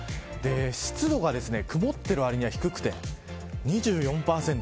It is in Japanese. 湿度が曇っているわりには低くて２４％